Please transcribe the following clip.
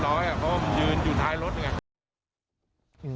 เพราะว่ามันยืนอยู่ท้ายรถไง